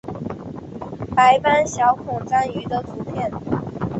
白斑小孔蟾鱼的图片